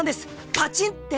パチンって！